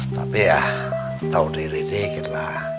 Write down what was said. tapi ya tau diri dikit lah